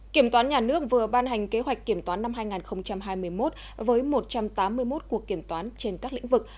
kiểm toán nhà nước vừa ban hành kế hoạch kiểm toán năm hai nghìn hai mươi một với một trăm tám mươi một cuộc kiểm toán trên các lĩnh vực